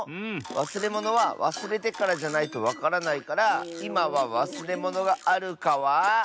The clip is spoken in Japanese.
わすれものはわすれてからじゃないとわからないからいまはわすれものがあるかは。